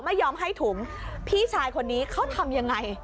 ไม่ยอมให้ถุงพี่ชายคนนี้เขาทำยังไง